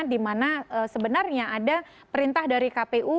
dimana sebenarnya ada perintah dari kpu